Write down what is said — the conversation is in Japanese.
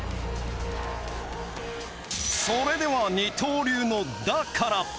それでは二刀流の「打」から。